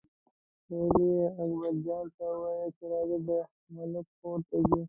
ویل یې اکبرجان ته ووایه چې راځه د ملک کور ته ځو.